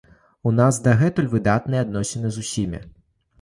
У нас дагэтуль выдатныя адносіны з усімі.